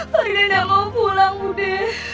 farida gak mau pulang bude